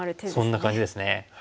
そんな感じですね。